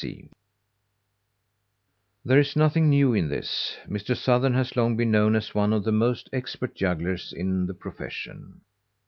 P. C. (There is nothing new in this. Mr. Sothern has long been known as one of the most expert jugglers in the profession.